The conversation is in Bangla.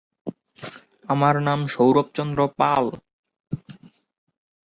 তিনি নেপাল একাডেমির সম্মানিত সদস্য।